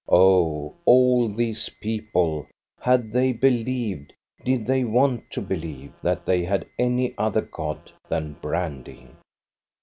Oh, all these people, had they believed, did they want to believe, that they had any other God than brandy?